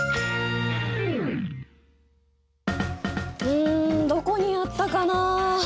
うんどこにやったかな？